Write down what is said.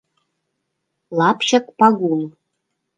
ЛАПЧЫК ПАГУЛ